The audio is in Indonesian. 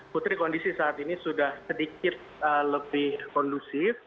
putri kondisi saat ini sudah sedikit lebih kondusif